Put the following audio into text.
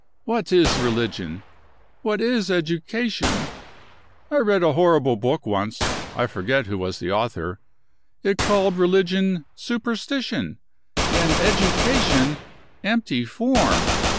What is religion? What is education? I read a horrible book once (I forget who was the author); it called religion superstition, and education empty form.